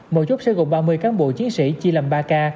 một chốt sẽ gồm ba mươi cán bộ chiến sĩ chi làm ba ca